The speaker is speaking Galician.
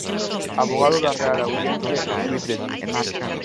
Avogado da Real Audiencia e xuíz de Tui.